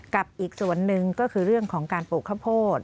กับอีกส่วนหนึ่งก็คือเรื่องของการปลูกข้าวโพด